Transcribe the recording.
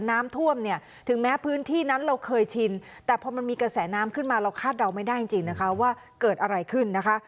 น้ำท่วมเนี่ยถึงแม้พื้นที่นั้นเราเคยชินแต่พอมันมีกระแสน้ำขึ้นมาเราคาดเดาไม่ได้จริงนะคะว่าเกิดอะไรขึ้นนะคะ